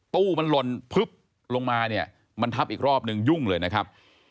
ตู้มันหล่นพึบลงมาเนี่ยมันทับอีกรอบนึงยุ่งเลยนะครับ